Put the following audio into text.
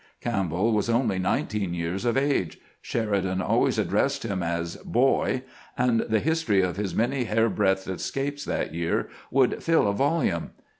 Campbell was only nineteen years of age. Sheridan always addressed him as " Boy," and the history of his many hairbreadth escapes that year would fill a volume.